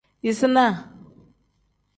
Yisinaa.